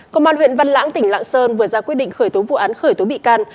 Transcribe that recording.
công an huyện văn lãng tỉnh lạng sơn vừa ra quyết định khởi tố vụ án khởi tố bị can